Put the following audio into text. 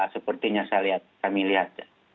sepertinya saya lihat kami lihat